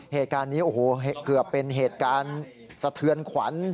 เหตุการณ์นี้โอ้โหเกือบเป็นเหตุการณ์สะเทือนขวัญ